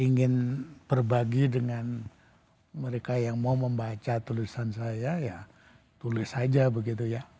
ingin berbagi dengan mereka yang mau membaca tulisan saya ya tulis saja begitu ya